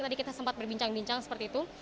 tadi kita sempat berbincang bincang seperti itu